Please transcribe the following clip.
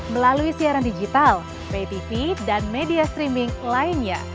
melalui siaran digital pay tv dan media streaming lainnya